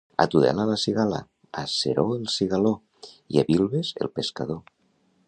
A Tudela, la cigala; a Seró, el cigaló, i a Vilves, el pescador.